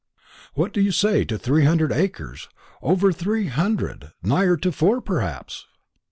"What do you say to three hundred acres over three hundred, nigher to four perhaps?"